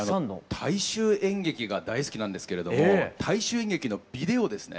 大衆演劇が大好きなんですけれども大衆演劇のビデオですね。